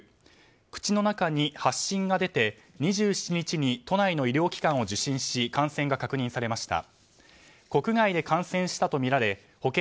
口の中に発疹が出て２７日に都内の医療機関を受診し、感染が確認されました。